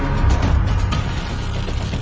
ตอนนี้ก็ไม่มีอัศวินทรีย์